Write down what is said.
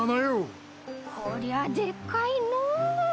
こりゃあでっかいのう。